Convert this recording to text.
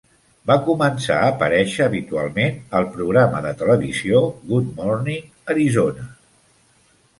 Va començar a aparèixer habitualment al programa de televisió "Good Morning Arizona".